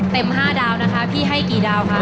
เต็ม๕ดาวนะคะพี่ให้กี่ดาวครับ